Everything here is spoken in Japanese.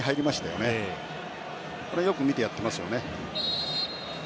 よく見てやってますよね。